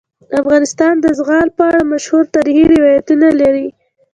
افغانستان د زغال په اړه مشهور تاریخی روایتونه لري.